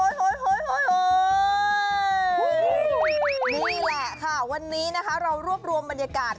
นี่แหละค่ะวันนี้นะคะเรารวบรวมบรรยากาศ